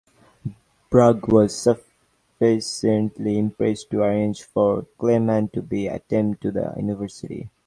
Bragg was sufficiently impressed to arrange for Kleeman to be admitted to the university.